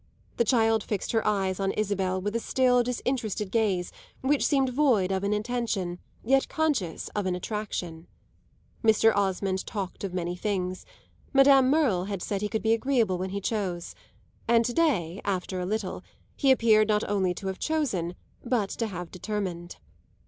The child fixed her eyes on Isabel with a still, disinterested gaze which seemed void of an intention, yet conscious of an attraction. Mr. Osmond talked of many things; Madame Merle had said he could be agreeable when he chose, and to day, after a little, he appeared not only to have chosen but to have determined.